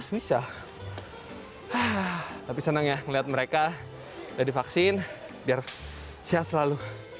udah divaksin biar sehat selalu